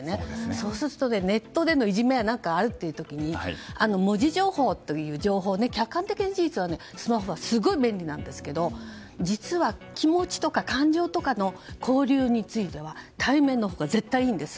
そうすると、ネットでのいじめや何かあるという時に文字情報という情報客観的事実としてはスマホはすごく便利なんですけど実は、気持ちとか感情とかの交流については対面のほうが絶対いいんです。